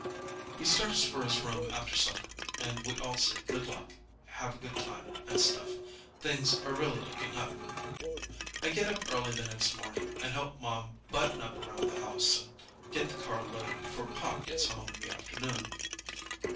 He starts for his room after supper, and we all say "good luck," "have a good time," and stuff. Things are really looking up. I get up early the next morning and help Mom button up around the house and get the car loaded before Pop gets home in the afternoon.